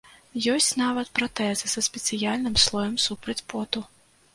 Ёсць нават пратэзы са спецыяльным слоем супраць поту.